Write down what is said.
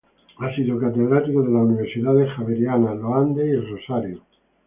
Ha sido catedrático de las universidades Javeriana, Los Andes y El Rosario.